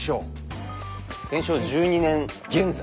「天正１２年現在」。